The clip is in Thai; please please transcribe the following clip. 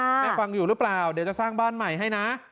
แม่ฟังอยู่หรือเปล่าเดี๋ยวจะสร้างบ้านใหม่ให้นะ